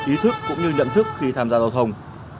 ý thức cũng như nhận thức khi tham gia giao thông